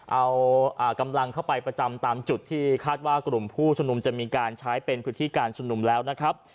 เอากำลังเข้าไปประจำตามจุดที่คาดว่ากลุ่มผู้ชมนุมจะมีการใช้เป็นพื้นที่การชุมนุมแล้วนะครับ